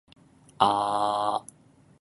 浜田雅功展に行った。